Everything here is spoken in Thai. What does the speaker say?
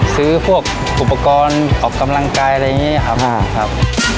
ซื้อพวกอุปกรณ์ออกกำลังกายอะไรอย่างนี้ครับ